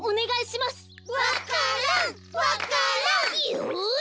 よし！